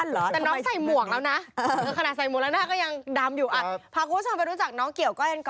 นี่คือน้องเกี่ยวกล้ายค่ะ